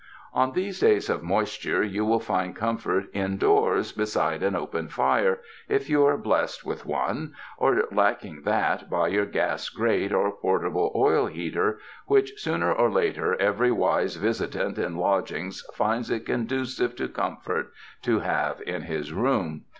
On these days of moisture you will find comfort indoors beside an open fire, if you are blessed with one, or lacking that, by your gas grate, or portable oil heater which sooner or later every wise visitant in lodgings finds it conducive to comfort to have in his room.